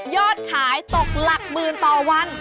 ยอดขายตกหลักหมื่นต่อวัน